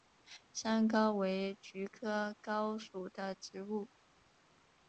山蒿为菊科蒿属的植物。